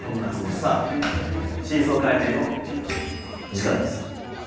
さぁ真相解明の時間です。